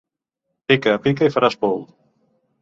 Pica, pica i faràs pou.